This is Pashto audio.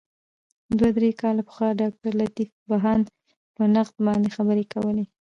دوه درې کاله پخوا ډاګټرلطیف بهاند په نقد باندي خبري کولې.